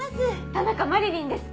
田中麻理鈴です